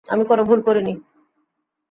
আমি কোনো ভুল করিনি।